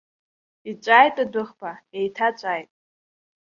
Иҵәааит адәыӷба, еиҭаҵәааит.